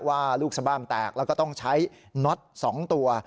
ว่าลูกสบามแตกแล้วก็ต้องใช้น็อต๒ตัว